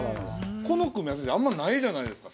この組み合わせってあんまないじゃないですか。